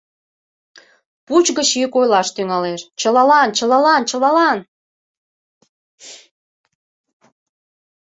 Пуч гыч йӱк ойлаш тӱҥалеш: «Чылалан, чылалан, чылалан!